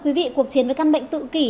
quý vị cuộc chiến với căn bệnh tự kỷ